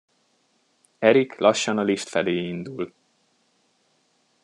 Erik lassan a lift felé indul.